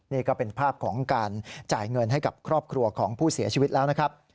นี่ก็เป็นภาพของการจ่ายเงินให้กับครอบครัวของผู้เสียชีวิตแล้วนะครับ